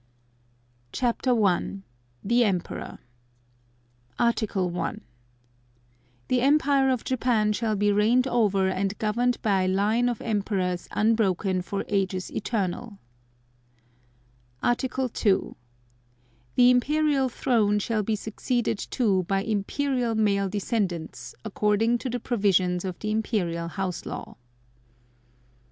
CHAPTER I. THE EMPEROR Article 1. The Empire of Japan shall be reigned over and governed by a line of Emperors unbroken for ages eternal. Article 2. The Imperial Throne shall be succeeded to by Imperial male descendants, according to the provisions of the Imperial House Law.